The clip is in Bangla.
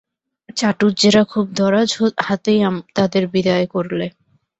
চাটুজ্যেরা খুব দরাজ হাতেই তাদের বিদায় করলে।